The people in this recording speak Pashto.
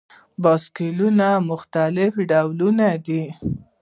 بایسکلونه مختلف ډوله دي.